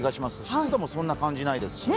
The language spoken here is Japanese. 湿度もそんな感じないですし。